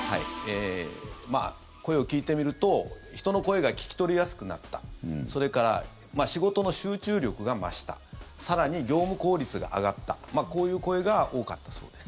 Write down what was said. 声を聞いてみると人の声が聞き取りやすくなったそれから、仕事の集中力が増した更に、業務効率が上がったこういう声が多かったそうです。